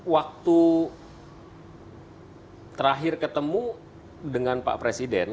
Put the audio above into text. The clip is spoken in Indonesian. waktu terakhir ketemu dengan pak presiden